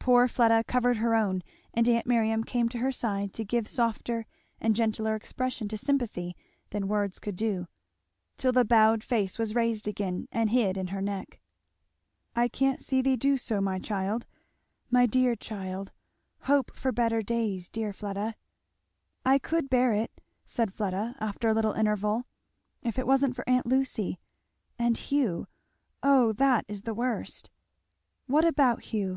Poor Fleda covered her own, and aunt Miriam came to her side to give softer and gentler expression to sympathy than words could do; till the bowed face was raised again and hid in her neck. "I can't see thee do so my child my dear child! Hope for brighter days, dear Fleda." "I could bear it," said Fleda after a little interval, "if it wasn't for aunt Lucy and Hugh oh that is the worst! " "What about Hugh?"